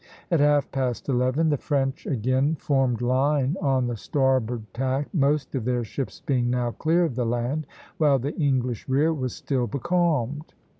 At half past eleven the French again formed line on the starboard tack, most of their ships being now clear of the land, while the English rear was still becalmed.